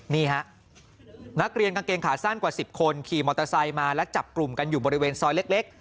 นี่ฮะนักเรียนกางเกงขาสั้นกว่า๑๐คนขี่มอเตอร์ไซค์มาและจับกลุ่มกันอยู่บริเวณซอยเล็ก